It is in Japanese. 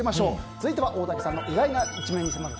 続いては大竹さんの意外な一面に迫る